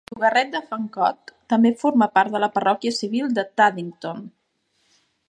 El llogarret de Fancott també forma part de la parròquia civil de Toddington.